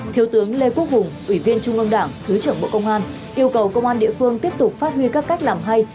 thiếu tướng lê quốc hùng ủy viên trung ương đảng thứ trưởng bộ công an yêu cầu công an địa phương tiếp tục phát huy các cách làm hay